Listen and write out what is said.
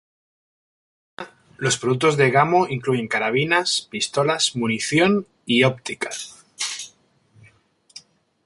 Hoy en día, los productos de Gamo incluyen carabinas, pistolas, munición y óptica.